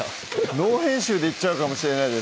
ノー編集でいっちゃうかもしれないです